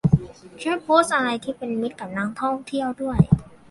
ช่วยโพสต์อะไรที่เป็นมิตรกับนักท่องเที่ยวด้วย